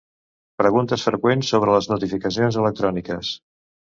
Preguntes freqüents sobre les notificacions electròniques.